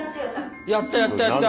やったやったやった！